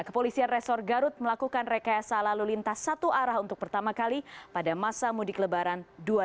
kepolisian resor garut melakukan rekayasa lalu lintas satu arah untuk pertama kali pada masa mudik lebaran dua ribu dua puluh